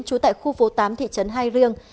trú tại khu phố tám thị trấn hai riêng